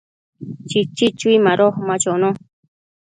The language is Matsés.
Chichi chui ma chono